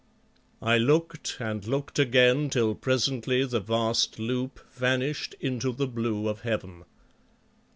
_" I looked and looked again till presently the vast loop vanished into the blue of heaven.